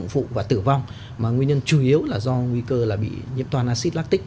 bệnh nhân bị tắc đổng và tử vong mà nguyên nhân chủ yếu là do nguy cơ là bị nhiễm toàn acid lactic